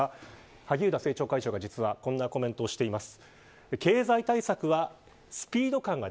萩生田政調会長が、実はこんなコメントをしています。